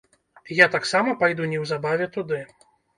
Я таксама пайду неўзабаве туды.